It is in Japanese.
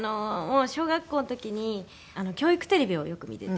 小学校の時に教育テレビをよく見てて。